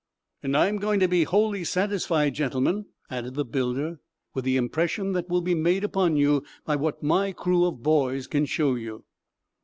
"And I'm going to be wholly satisfied, gentlemen," added the builder, "with the impression that will be made upon you by what my crew of boys can show you."